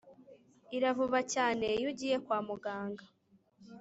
iravuba cyane iyo ugiye kwa muganga